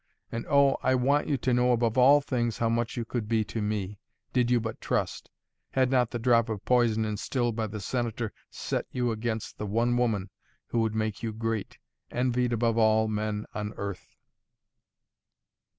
And oh! I want you to know above all things how much you could be to me, did you but trust had not the drop of poison instilled by the Senator set you against the one woman who would make you great, envied above all men on earth!"